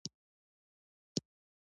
آیا د سرې او وریجو تولید هم نشته؟